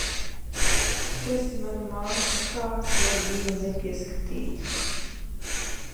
Tu esi mana māsa, kā tu vari viņu nepieskatīt?